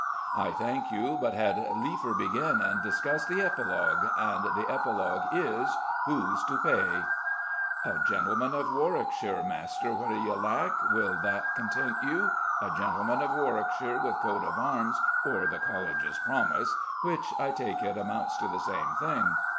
"I thank you, but had liefer begin and discuss the epilogue: and the epilogue is 'Who's to pay?'" "A gentleman of Warwickshire, Master What d'ye lack will that content you? A gentleman of Warwickshire, with a coat of arms, or the College's promise which, I take it, amounts to the same thing."